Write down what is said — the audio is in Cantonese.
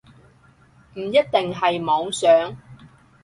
唔一定係妄想